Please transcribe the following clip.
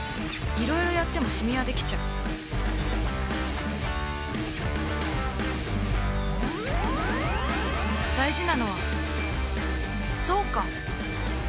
いろいろやってもシミはできちゃう大事なのはそうか！